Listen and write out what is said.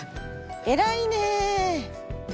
偉いね。